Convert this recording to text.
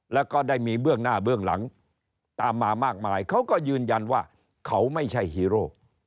แล้วก็ได้มีเบื้องหน้าเบื้องหลังตามมามากมายเขาก็ยืนยันว่าเขาไม่ใช่ฮีโร่